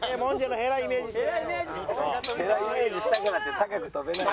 ヘライメージしたからって高く跳べない。